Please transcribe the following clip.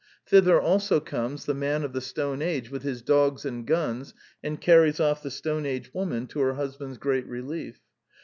Thither also comes the man of the Stone Age with his dogs and guns, and carries off the Stone Age woman, to her husband's great re lief.